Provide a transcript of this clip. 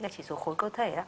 chỉ số khối cơ thể